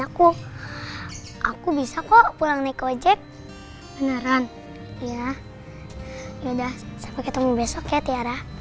aku bisa kok pulang nekojek beneran ya udah sampai ketemu besok ya tiara